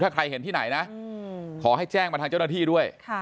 ถ้าใครเห็นที่ไหนนะขอให้แจ้งมาทางเจ้าหน้าที่ด้วย